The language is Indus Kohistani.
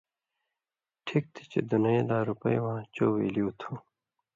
ٹِھک تھی چےۡ دُنئ لا رُپئ واں چو ویلیُو تُھو